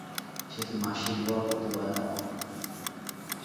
সে কি মাসির ঘর হতে ভয়ানক।